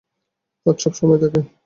ফাঁদ সবসময়-ই থাকে।